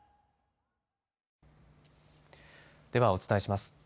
ではお伝えします。